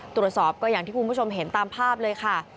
ตรวจสอบก็อย่างที่คุณผู้ชมเห็นตามภาพเลยค่ะ